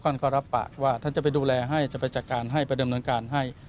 ท่านก็รับปากว่าท่านจะไปดูแลให้จะไปจัดการให้ไปดำเนินการให้